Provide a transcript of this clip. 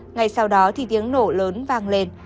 ngày sau đó thì tiếng nổ lớn vang lên